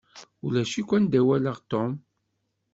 Ulac akk anda i walaɣ Tom.